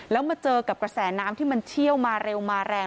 แล้วมาเจอกับกระแสน้ำที่มันเชี่ยวมาเร็วมาแรง